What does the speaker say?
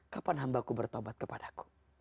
kapan hambaku bertobat kepada aku